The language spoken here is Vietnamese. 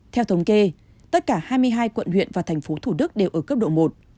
theo thống kê tất cả hai mươi hai quận huyện và thành phố thủ đức đều ở cấp độ một